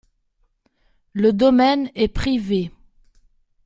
Le domaine est privé.